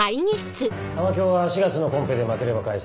⁉・玉響は４月のコンペで負ければ解散